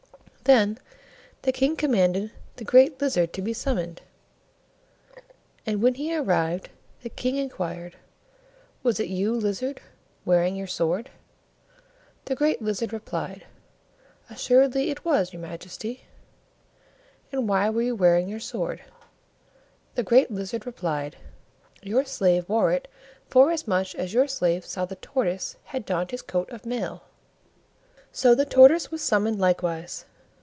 Then the King commanded the Great Lizard to be summoned, and when he arrived, the King inquired, "Was it you, Lizard, wearing your sword?" The Great Lizard replied, "Assuredly it was, your Majesty." "And why were you wearing your sword?" The Great Lizard replied, "Your slave wore it forasmuch as your slave saw that the Tortoise had donned his coat of mail." So the Tortoise was summoned likewise.